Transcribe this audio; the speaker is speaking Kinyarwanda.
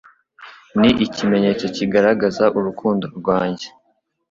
ni ikimenyetso kigaragaza urukundo rwanjye